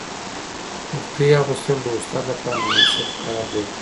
کرتۍ اغوستل د استاد لپاره مناسب کار دی.